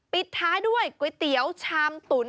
ปิดท้ายด้วยก๋วยเตี๋ยวชามตุ๋น